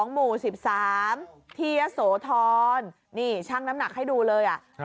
๑๐๒หมู่๑๓เทียโสธรนี่ช่างน้ำหนักให้ดูเลยอ่ะ